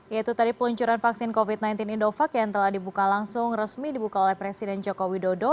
yaitu tadi peluncuran vaksin covid sembilan belas indovac yang telah dibuka langsung resmi dibuka oleh presiden joko widodo